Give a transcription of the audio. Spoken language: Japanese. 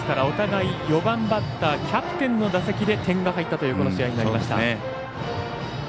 お互い、４番バッターキャプテンの打席で点が入ったという、この試合。